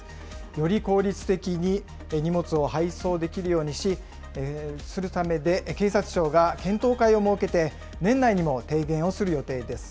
より効率的に、荷物を配送できるようにし、するためで、警察庁が検討会を設けて、年内にも提言をする予定です。